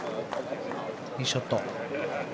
いいショット。